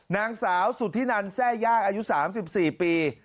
นางสาวสุธินันแทร่ย่างอายุ๓๔ปี